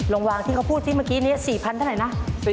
ลองวางที่เขาพูดสิเมื่อกี้นี่๔๐๐๐บาทให้หน่อยนะ